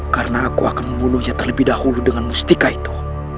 karena aku akan membunuhnya terlebih dahulu dengan mustika itu